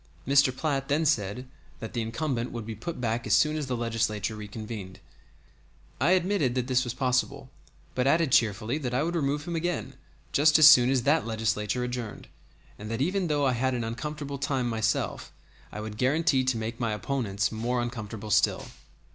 Mr. Platt then said that the incumbent would be put back as soon as the Legislature reconvened; I admitted that this was possible, but added cheerfully that I would remove him again just as soon as that Legislature adjourned, and that even though I had an uncomfortable time myself, I would guarantee to make my opponents more uncomfortable still.